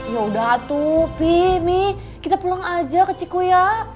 ya udah tuh fimi kita pulang aja ke cikgu ya